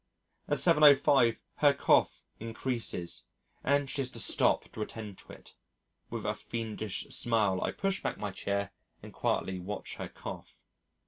At 7.05 her cough increases, and she has to stop to attend to it. With a fiendish smile I push back my chair, and quietly watch her cough....